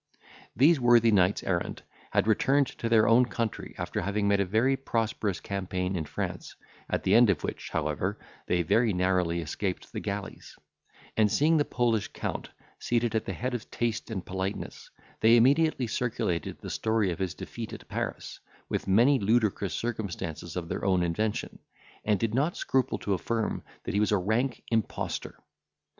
These worthy knights errant had returned to their own country, after having made a very prosperous campaign in France, at the end of which, however, they very narrowly escaped the galleys; and seeing the Polish Count seated at the head of taste and politeness, they immediately circulated the story of his defeat at Paris, with many ludicrous circumstances of their own invention, and did not scruple to affirm that he was a rank impostor.